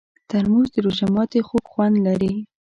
ترموز د روژه ماتي خوږ خوند لري.